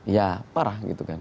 ya parah gitu kan